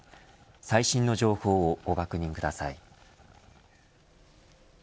最新の情報をご確認ください。